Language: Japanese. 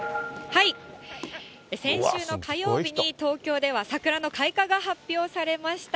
先週の火曜日に東京では桜の開花が発表されました。